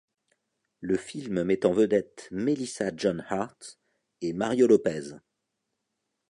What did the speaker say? Le film met en vedette Melissa Joan Hart et Mario López.